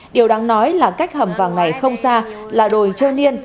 điều đáng nói là cách hầm vàng này không xa là đồi chưa niên